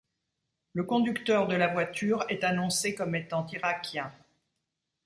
Le conducteur de la voiture est annoncé comme étant irakien.